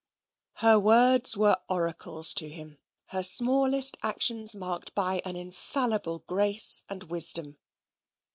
Her words were oracles to him, her smallest actions marked by an infallible grace and wisdom.